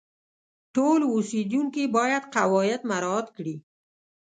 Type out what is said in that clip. ټول اوسیدونکي باید قواعد مراعات کړي.